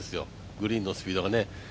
グリーンのスピードが。